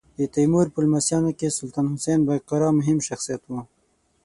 د تیمور په لمسیانو کې سلطان حسین بایقرا مهم شخصیت و.